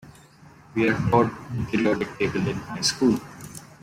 We are taught the periodic table in high school.